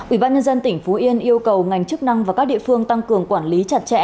ủy ban nhân dân tỉnh phú yên yêu cầu ngành chức năng và các địa phương tăng cường quản lý chặt chẽ